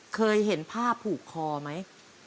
เคยเห็นผ้าผูกคอไหม